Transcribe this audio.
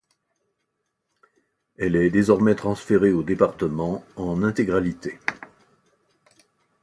Elle est désormais transférée aux départements en intégralité.